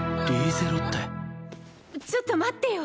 ちょっと待ってよ